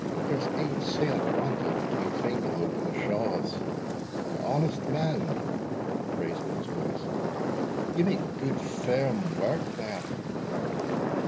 There's ane sair wanted between Cringlehope and the Shaws. Honest man" (raising his voice), "ye make good firm wark there?"